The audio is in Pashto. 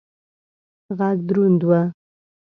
غږ دروند و.